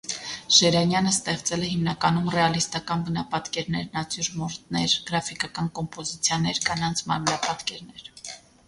Ժերանյանը ստեղծել է հիմնականում ռեալիստական բնապատկերներ, նատյուրմորտներ, գրաֆիկական կոմպոզիցիաներ, կանանց մարմնապատկերներ։